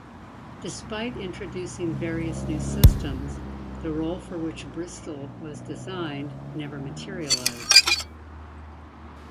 Despite introducing various new systems, the role for which "Bristol" was designed never materialised.